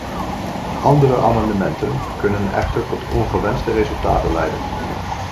Andere amendementen kunnen echter tot ongewenste resultaten leiden.